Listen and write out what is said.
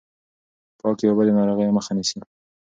پاکې اوبه د ناروغیو مخه نيسي.